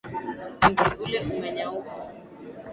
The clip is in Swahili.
Mti ule umenyauka .